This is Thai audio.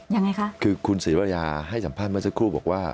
ก็สังเกตนิดนึงคือคุณศรีวรรยาให้สัมภาษณ์เมื่อสักครู่บอกว่า